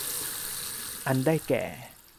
อันได้แก่